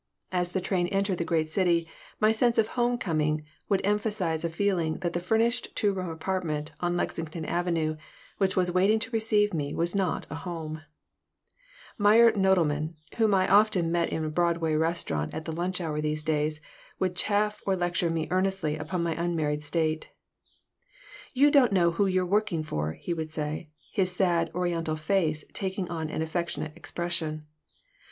As the train entered the great city my sense of home coming would emphasize a feeling that the furnished two room apartment on Lexington Avenue which was waiting to receive me was not a home Meyer Nodelman, whom I often met in a Broadway restaurant at the lunch hour these days, would chaff or lecture me earnestly upon my unmarried state "You don't know who you're working for," he would say, his sad, Oriental face taking on an affectionate expression.